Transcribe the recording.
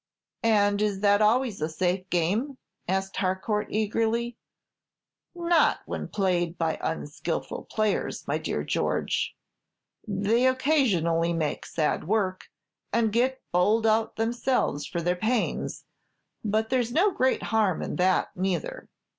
"And is that always a safe game?" asked Harcourt, eagerly. "Not when played by unskilful players, my dear George. They occasionally make sad work, and get bowled out themselves for their pains; but there's no great harm in that neither."